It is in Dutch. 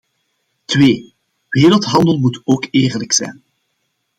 Twee: wereldhandel moet ook eerlijk zijn.